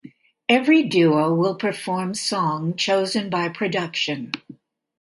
Every duo will perform song chosen by production.